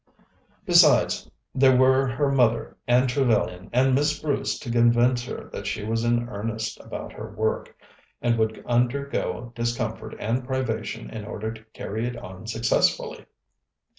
Besides, there were her mother and Trevellyan and Miss Bruce to convince that she was in earnest about her work, and would undergo discomfort and privation in order to carry it on successfully.